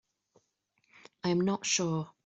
I am not sure.